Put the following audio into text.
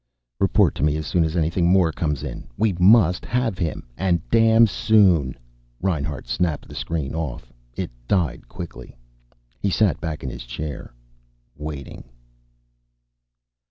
"Report to me as soon as anything more comes in. We must have him and damn soon." Reinhart snapped the screen off. It died quickly. He sat back in his chair, waiting.